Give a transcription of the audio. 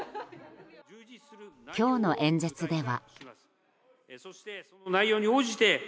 今日の演説では。